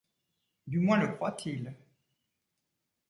Du moins le croit-il.